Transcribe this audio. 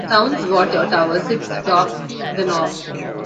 The town's water tower sits atop the knob.